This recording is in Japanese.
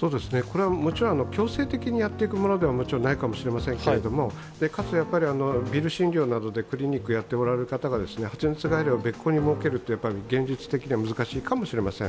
これはもちろん強制的にやっていくものではないかもしれませんけれども、かつ、ビル診療などでクリニックをやっている方が発熱外来を別個に持てるというのは現実的に難しいかもしれません。